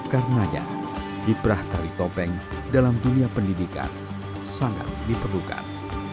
karenanya kiprah tari topeng dalam dunia pendidikan sangat diperlukan